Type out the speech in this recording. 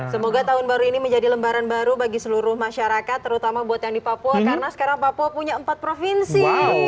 semoga tahun baru ini menjadi lembaran baru bagi seluruh masyarakat terutama buat yang di papua karena sekarang papua punya empat provinsi